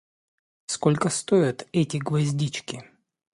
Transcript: Сколько стоят эти гвоздички?